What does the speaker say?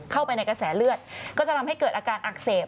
เข้าไปในกระแสเลือดก็จะทำให้เกิดอาการอักเสบ